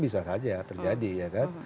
bisa saja terjadi ya kan